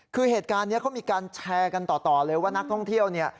คือเหตุการณ์นี้เขามีการแชร์กันต่อเลยว่านักท่องเที่ยวเนี่ย